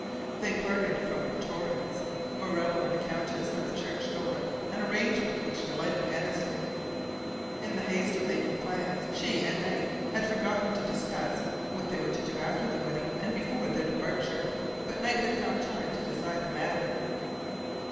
They parted from Torrance, Morello, and the Countess at the church door, an arrangement which delighted Annesley. In the haste of making plans, she and Knight had forgotten to discuss what they were to do after the wedding and before their departure; but Knight had found time to decide the matter.